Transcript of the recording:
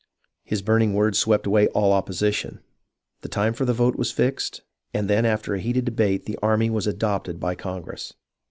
His burning words swept away all opposition, the time for the vote was fixed, and then after a heated debate the army was adopted by Congress.